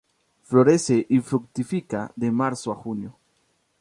Florece y fructifica de marzo a junio.